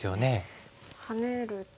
ハネると。